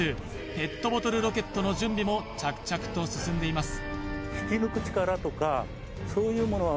２ペットボトルロケットの準備も着々と進んでいます